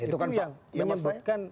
itu yang menyebutkan